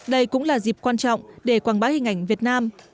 đây cũng là dịp quan trọng để quảng bá hình ảnh việt nam